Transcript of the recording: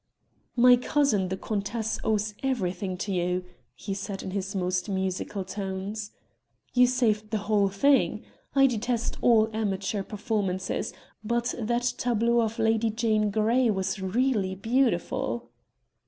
"My cousin the countess owes everything to you," he said in his most musical tones; "you saved the whole thing. I detest all amateur performances, but that tableau of Lady Jane Grey was really beautiful."